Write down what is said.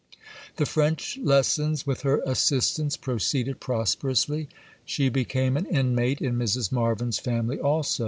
The French lessons with her assistance proceeded prosperously. She became an inmate in Mrs. Marvyn's family also.